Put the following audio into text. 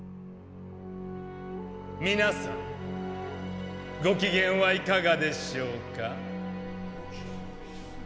皆さんご機嫌はいかがでしょうか？